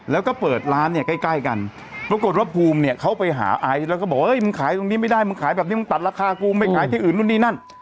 แล้วก็เปิดร้านเนี่ยใกล้กันปรากฏว่าภูมิเนี่ยเขาไปหาไอซ์แล้วก็บอกเฮ้ยมึงขายตรงนี้ไม่ได้มึงขายแบบนี้มึงตัดราคากูไม่ขายที่อื่นนู่นนี่นั่น